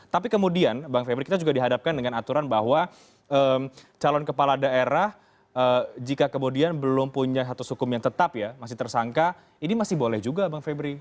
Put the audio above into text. tapi kemudian bang febri kita juga dihadapkan dengan aturan bahwa calon kepala daerah jika kemudian belum punya status hukum yang tetap ya masih tersangka ini masih boleh juga bang febri